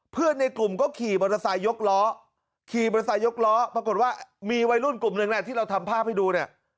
เพื่อนในกลุ่มก็ขี่มอเตอร์ไซส์ยกล้อแล้วปรากฏว่ามีวัยรุ่นกลุ่กนึงนะที่เราทำภาพให้ดู